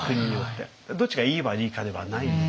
どっちがいい悪いかではないので。